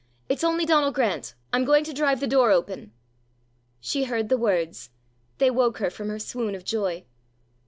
It's only Donal Grant! I'm going to drive the door open." She heard the words! They woke her from her swoon of joy.